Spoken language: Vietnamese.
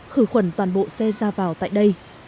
khử khuẩn toàn bộ xe ra vào tại đây